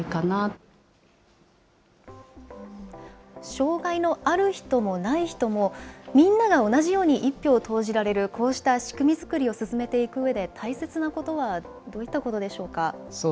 障害ある人もない人もみんなが同じように１票を投じられるこうした仕組みづくりを進めていくうえで大切なことはどういったことでしょうか。